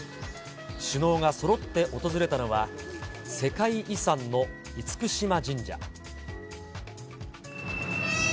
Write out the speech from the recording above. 首脳がそろって訪れたのは、世界遺産の厳島神社。